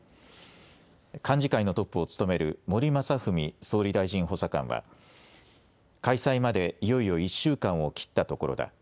幹事会のトップを務める森昌文総理大臣補佐官は開催までいよいよ１週間を切ったところだ。